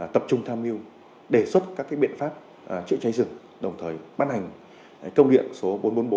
tập trung tham mưu đề xuất các biện pháp chữa cháy rừng đồng thời bán hành công điện số bốn trăm bốn mươi bốn